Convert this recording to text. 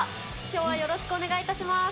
きょうはよろしくお願いいたします。